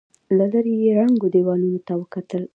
له ليرې يې ړنګو دېوالونو ته وکتل.